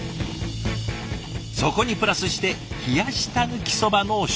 そこにプラスして冷やしたぬきそばの小。